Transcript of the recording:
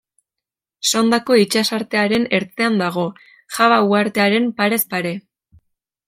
Sondako itsasartearen ertzean dago, Java uhartearen parez pare.